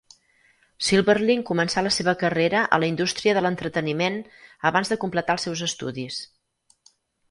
Silberling començà la seva carrera a la indústria de l'entreteniment abans de completar els seus estudis.